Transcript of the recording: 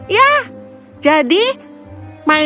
ya jadi aku akan menangkapmu